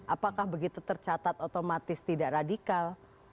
apakah begitu tercatat otomatis tidak radikal